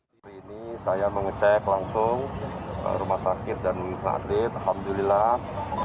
hari ini saya mengecek langsung rumah sakit dan wisma atlet alhamdulillah